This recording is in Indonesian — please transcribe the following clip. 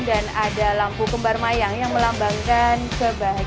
dan ada lampu kembar mayang yang melambangkan kebahagiaan